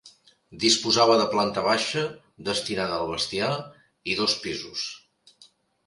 Disposava de planta baixa -destinada al bestiar- i dos pisos.